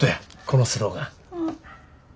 このスローガン。